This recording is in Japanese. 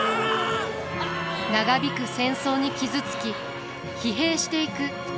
長引く戦争に傷つき疲弊していく家臣たち。